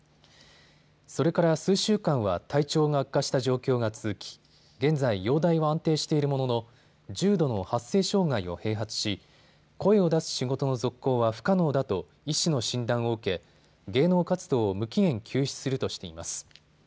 それから数週間は体調が悪化した状況が続き、現在、容体は安定しているものの重度の発声障害を併発し、声を出す仕事の続行は不可能だと医師の診断を受け、芸能活動を無期限休止するとしています。